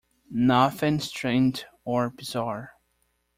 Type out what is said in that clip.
Nothing strained or bizarre.